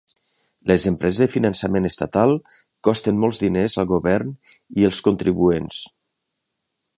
Les empreses de finançament estatal costen molts diners al govern i els contribuents.